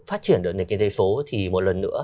phát triển được nền kinh tế số thì một lần nữa